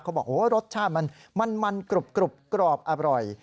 เขาบอกว่ารสชาติมันมันมันกรุบกรอบอร่อย